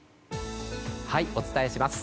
お伝えします。